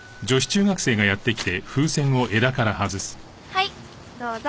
はいどうぞ。